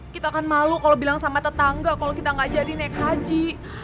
kita kan malu kalau bilang sama tetangga kalau kita gak jadi naik haji